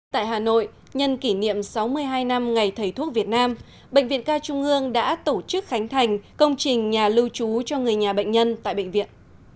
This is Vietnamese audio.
tại hà nội nhân kỷ niệm sáu mươi hai năm ngày thầy thuốc việt nam bệnh viện ca trung ương đã tổ chức khánh thành công trình nhà lưu trú cho người nhà bệnh nhân tại bệnh viện